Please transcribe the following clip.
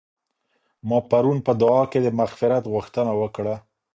ما پرون په دعا کي د مغفرت غوښتنه وکړه.